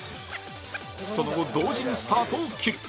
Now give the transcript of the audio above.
その後同時にスタートを切る